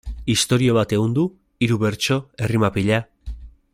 Istorio bat ehundu, hiru bertso, errima pila...